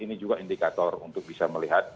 ini juga indikator untuk bisa melihat